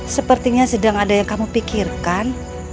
sepertinya sedang ada yang kamu pikirkan